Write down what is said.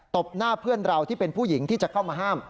บหน้าเพื่อนเราที่เป็นผู้หญิงที่จะเข้ามาห้าม